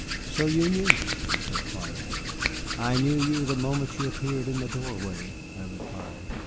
"So you knew," she said quietly. "I knew you the moment you appeared in the doorway," I replied.